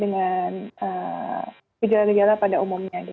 gejala gejala pada umumnya